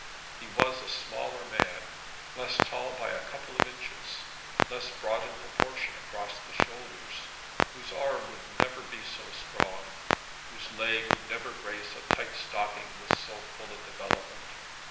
He was a smaller man, less tall by a couple of inches, less broad in proportion across the shoulders, whose arm would never be so strong, whose leg would never grace a tight stocking with so full a development.